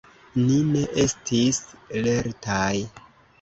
Ni ne estis lertaj.